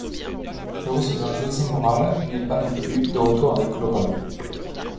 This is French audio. Le receveur José Morales n'est pas non plus de retour avec Colorado.